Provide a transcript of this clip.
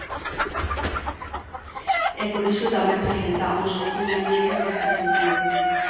E por iso tamén presentamos unha emenda neste sentido.